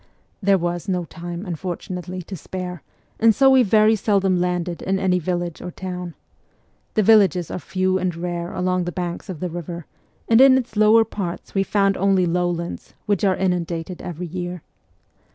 There was no time, unfortunately, to spare, and so we very seldom landed in any village or town. The villages are few and rare along the banks of the river, and in its lower parts we found only lowlands, which are inundated every year.